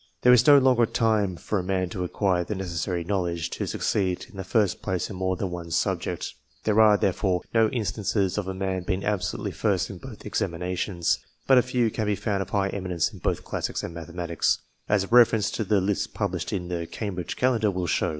There is no longer time for a man to acquire the necessary knowledge to succeed to the first place in more than one subject. There are, therefore, no instances of a man being absolutely first in both examinations, but c 2 20 CLASSIFICATION OF MEN a few can be found of high eminence in both classics and mathematics, as a reference to the lists published in the " Cambridge Calendar " will show.